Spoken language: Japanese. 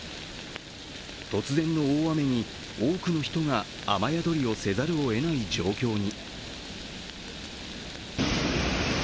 突然の大雨に多くの人が雨宿りをせざるをえない状況に。